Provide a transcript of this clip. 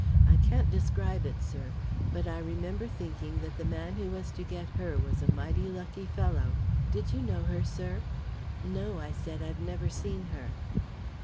I can't describe it, sir; but I remember thinking that the man who was to get her was a mighty lucky fellow. Did you know her, sir?" "No," I said; "I've never seen her."